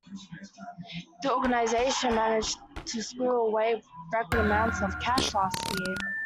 The organisation managed to squirrel away record amounts of cash last year.